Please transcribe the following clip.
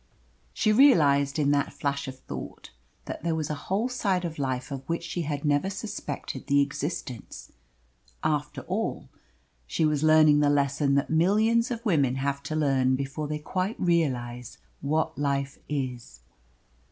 She realised in that flash of thought that there was a whole side of life of which she had never suspected the existence. After all, she was learning the lesson that millions of women have to learn before they quite realise what life is.